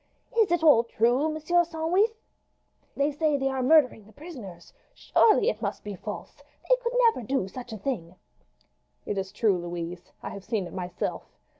"Is it all true, Monsieur Sandwith? They say they are murdering the prisoners. Surely it must be false! They could never do such a thing!" "It is true, Louise. I have seen it myself.